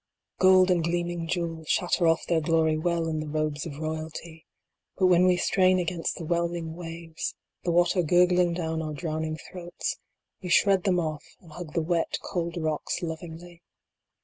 V. Gold and gleaming jewel shatter off their glory well in the robes of royalty, but when we strain against the whelming waves, the water gurgling down our drowning throats, we shred them off, and hug the wet, cold rocks lovingly.